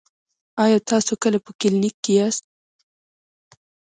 ایا تاسو کله په کلینیک کې یاست؟